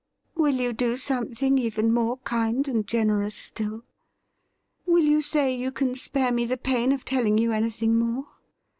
Will you do something even more kind and generous still .'' Will you say you can spare me the pain of telling you anything more